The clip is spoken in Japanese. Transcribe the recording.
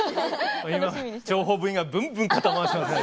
今諜報部員がブンブン肩回してます。